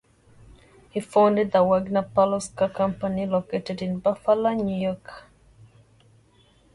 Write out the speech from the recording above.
He founded the Wagner Palace Car Company, located in Buffalo, New York.